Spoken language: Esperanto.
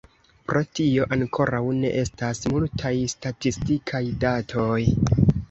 Pro tio ankoraŭ ne estas multaj statistikaj datoj.